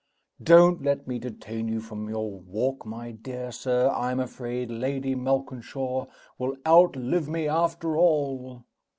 Don't let me detain you from your walk, my dear sir. I'm afraid Lady Malkinshaw will outlive me, after all!"